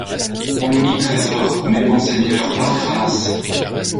Mon unique trésor! — Mes bons seigneurs, par grâce !